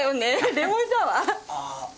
レモンサワー。